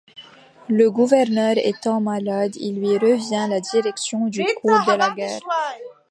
Le gouverneur étant malade, il lui revient la direction du cours de la guerre.